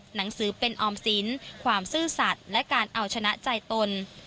หนังสือเป็นออมสินความซื่อสัตว์และการเอาชนะใจตน